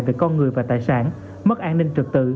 về con người và tài sản mất an ninh trực tự